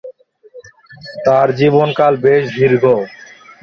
তার জীবনকাল বেশ দীর্ঘ।